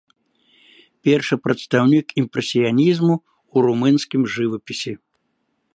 Першы прадстаўнік імпрэсіянізму ў румынскім жывапісе.